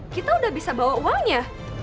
kita udah bisa bawa uangnya